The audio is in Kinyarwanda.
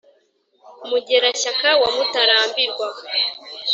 mugera-shyaka wa mutarambirwa,